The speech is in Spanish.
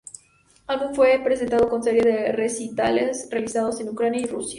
Álbum fue presentado con serie de recitales realizados en Ucrania y Rusia.